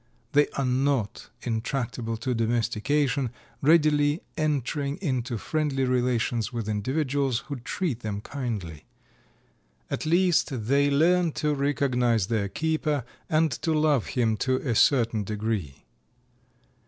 "They are not intractable to domestication, readily entering into friendly relations with individuals who treat them kindly; at least they learn to recognize their keeper and to love him to a certain degree."